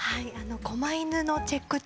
こま犬のチェック中です。